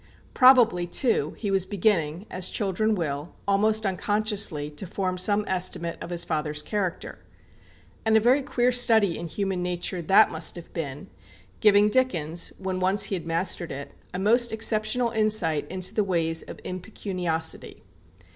Probably, too, he was beginning, as children will, almost unconsciously, to form some estimate of his father's character. And a very queer study in human nature that must have been, giving Dickens, when once he had mastered it, a most exceptional insight into the ways of impecuniosity.